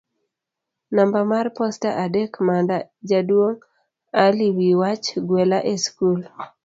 namba mar posta adek Manda jaduong' Ali wi wach; gwela e skul